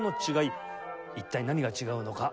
一体何が違うのか